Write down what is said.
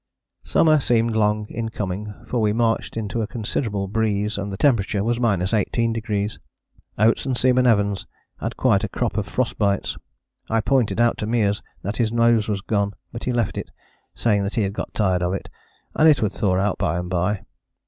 Summer seemed long in coming for we marched into a considerable breeze and the temperature was 18°. Oates and Seaman Evans had quite a crop of frost bites. I pointed out to Meares that his nose was gone; but he left it, saying that he had got tired of it, and it would thaw out by and by.